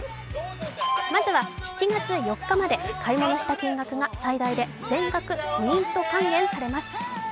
まずは７月４日まで買い物した金額が最大で全額ポイント還元されます。